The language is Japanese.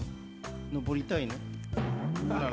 登りたいの？